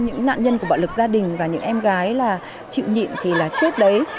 những nạn nhân của bạo lực gia đình và những em gái là chịu nhịn thì là chết đấy